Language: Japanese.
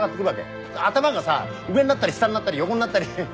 頭がさ上になったり下になったり横になったり。